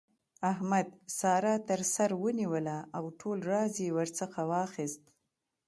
احمد؛ سارا تر سر ونيوله او ټول راز يې ورڅخه واخيست.